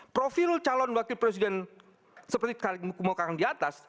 profil calon wakil presiden seperti yang di atas